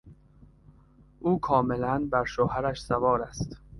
او کاملا بر شوهرش سوار است.